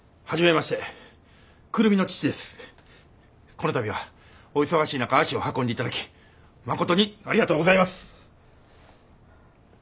この度はお忙しい中足を運んでいただきまことにありがとうございます。